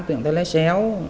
tuyển tới lấy xéo